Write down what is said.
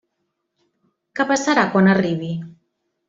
Que passarà quan arribi?